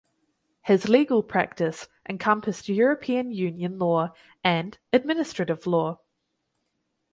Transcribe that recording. His legal practice encompassed European Union law and administrative law.